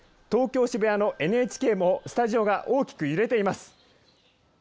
東京渋谷のＮＨＫもスタジオが大きく揺れています。